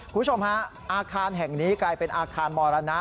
คุณผู้ชมฮะอาคารแห่งนี้กลายเป็นอาคารมรณะ